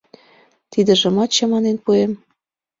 Тидыжымат чаманен пуэм.